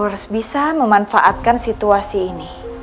tapi aku harus bisa memanfaatkan situasi ini